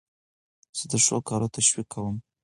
زه د ښو کارو تشویق کوم.